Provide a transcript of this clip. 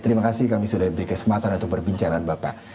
terima kasih kami sudah berkesempatan untuk berbincangan bapak